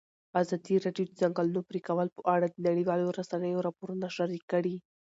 ازادي راډیو د د ځنګلونو پرېکول په اړه د نړیوالو رسنیو راپورونه شریک کړي.